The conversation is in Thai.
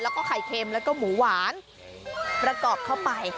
แล้วก็ไข่เค็มแล้วก็หมูหวานประกอบเข้าไป